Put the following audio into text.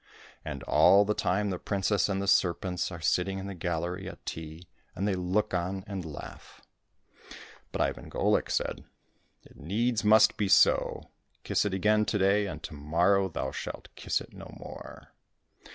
And all the time the princess and the serpents are sitting in the gallery at tea, and they look on and laugh !" But Ivan Golik said, " It needs must be so ! Kiss it again to day, and to morrow thou shalt kiss it no more